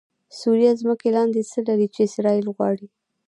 سوریه ځمکې لاندې څه لري چې اسرایل غواړي؟😱